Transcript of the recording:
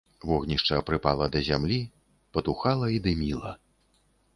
Вогнішча прыпала да зямлі, патухала і дыміла.